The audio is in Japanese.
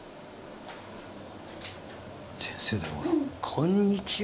こんにちは。